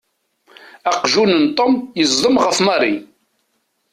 Aqjun n Tom yeẓḍem ɣef Mary.